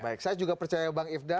baik saya juga percaya bang ifdal